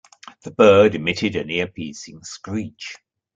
The bird emitted an ear-piercing screech.